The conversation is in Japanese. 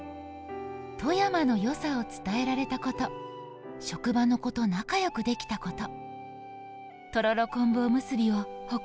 富山の良さを伝えられたこと、職場の子と仲良くできたこと」。